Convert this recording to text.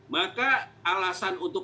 maka alasan untuk